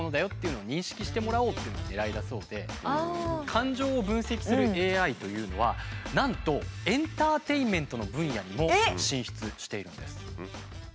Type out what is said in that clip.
感情を分析するＡＩというのはなんとエンターテインメントの分野にも進出しているんです。